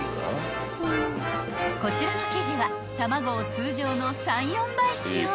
［こちらの生地は卵を通常の３４倍使用］